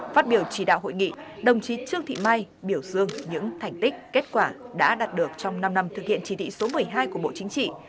phát biểu chỉ đạo hội nghị đồng chí trương thị mai biểu dương những thành tích kết quả đã đạt được trong năm năm thực hiện chỉ thị số một mươi hai của bộ chính trị